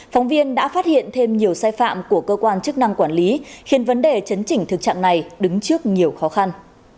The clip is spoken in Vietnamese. phóng viên đã phát hiện thêm nhiều sai phạm của cơ quan chức năng quản lý khiến vấn đề chấn chỉnh thực trạng này đứng trước nhiều khó khăn